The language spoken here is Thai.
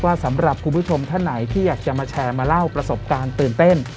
สำหรับคุณผู้ชมท่านไหนที่อยากจะมาแชร์มาเล่าประสบการณ์ตื่นเต้น